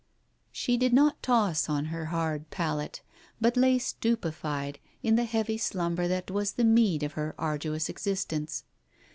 ..." She did not toss on her hard pallet, but lay stupefied in the heavy slumber that was the meed of her arduous existence.